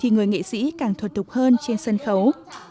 nghệ sĩ càng thuật thuộc hơn trên sân khấu